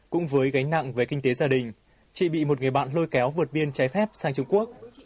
cũng với gánh nặng về kinh tế gia đình chị bị một người bạn lôi kéo vượt biên trái phép sang trung quốc